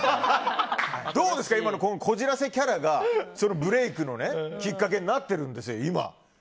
どうですかそのこじらせキャラがブレークのきっかけになっている。